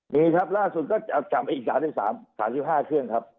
มีครับล่าสุดก็จับไปอีก๓๕เครื่องครับ